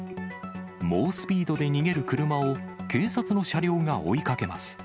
猛スピードで逃げる車を警察の車両が追いかけます。